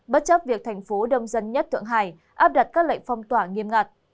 bất chấp việc thành phố đông dân nhất thượng hải áp đặt các lệnh phong tỏa nghiêm ngặt